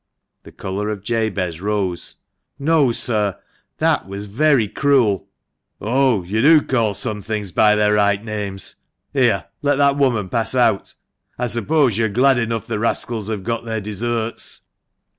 The colour of Jabez rose. " No, sir ; that was very cruel." "Oh! you do call some things by their right names (here, let that woman pass out). I suppose you're glad enough the rascals have got their deserts?"